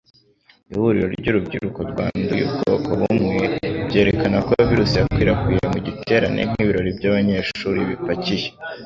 Ihuriro ry'urubyiruko rwanduye ubwoko bumwe, byerekana ko virusi yakwirakwiriye mu giterane, nk'ibirori by'abanyeshuri bipakiye